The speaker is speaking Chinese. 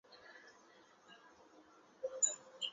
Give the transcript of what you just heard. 稻槎菜为菊科稻搓菜属的植物。